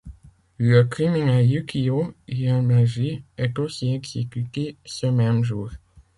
Le criminel Yukio Yamaji est aussi exécuté ce même jour.